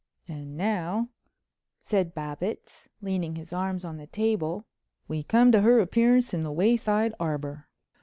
"And now," said Babbitts, leaning his arms on the table, "we come to her appearance in the Wayside Arbor."